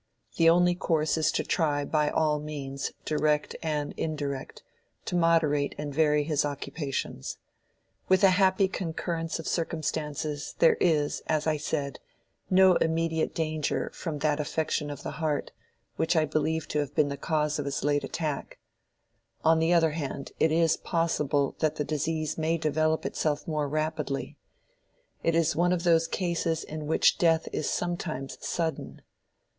The only course is to try by all means, direct and indirect, to moderate and vary his occupations. With a happy concurrence of circumstances, there is, as I said, no immediate danger from that affection of the heart, which I believe to have been the cause of his late attack. On the other hand, it is possible that the disease may develop itself more rapidly: it is one of those cases in which death is sometimes sudden.